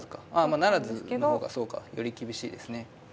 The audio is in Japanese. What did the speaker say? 不成の方がそうかより厳しいですね。